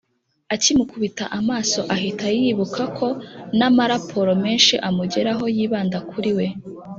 akimukubita amaso ahita yibuka ko n’amaraporo menshi amugeraho yibanda kuri we